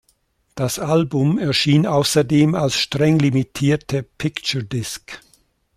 Das Album erschien außerdem als streng limitierte Picture Disc.